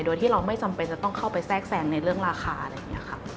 โดยที่เราไม่จำเป็นจะต้องเข้าไปแทรกแทรงในเรื่องราคาอะไรอย่างนี้ค่ะ